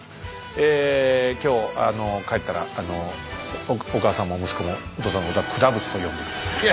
ええ今日帰ったらお母さんも息子もお父さんのことは「句陀仏」と呼んで下さい。